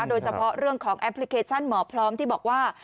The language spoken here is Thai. โดยเฉพาะเรื่องของแอปพลิเคชันหมอพร้อมที่บอกว่า